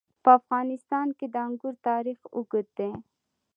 په افغانستان کې د انګور تاریخ اوږد دی.